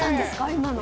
今の。